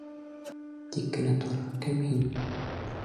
-Тик кенә тор, кем һин?